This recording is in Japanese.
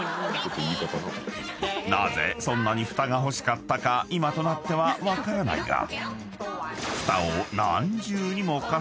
［なぜそんなにフタが欲しかったか今となっては分からないが］